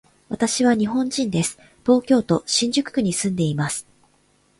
私は日本人です。東京都新宿区に住んでいます。